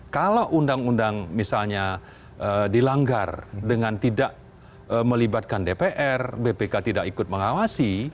kalau undang undang misalnya dilanggar dengan tidak melibatkan dpr bpk tidak ikut mengawasi